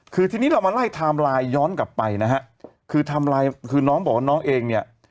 คือทีนี้เรามาไล่ไทม์ไลน์ย้อนกลับไปนะฮะคือไทม์ไลน์คือน้องบอกว่าน้องเองเนี่ย